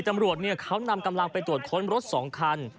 ตำรวจเขานำกำลังไปตรวจค้นรถ๒คัน